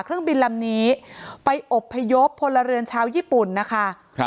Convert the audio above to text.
เครื่องบินลำนี้ไปอบพยพพลเรือนชาวญี่ปุ่นนะคะครับ